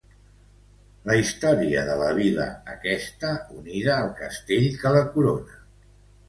La història de la vila aquesta unida al castell que la corona.